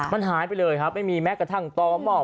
มันหายไปเลยครับไม่มีแม้กระทั่งต่อหม้อ